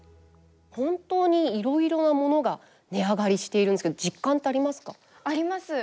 本当にいろいろな物が値上がりしているんですけど実感ってありますか？